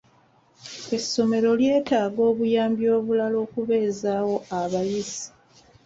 Essomero lyetaaga obuyambi obulala okubeezaawo abayizi.